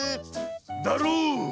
だろう？